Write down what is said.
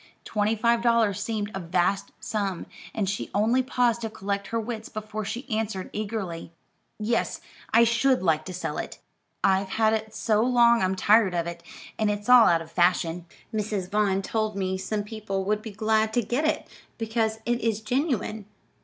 Twenty five dollars seemed a vast sum, and she only paused to collect her wits, before she answered eagerly: "Yes, I should like to sell it; I've had it so long I'm tired of it, and it's all out of fashion. Mrs. Vaughn told me some people would be glad to get it, because it is genuine.